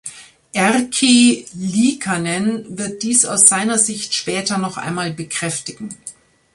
Erkki Liikanen wird dies aus seiner Sicht später noch einmal bekräftigen.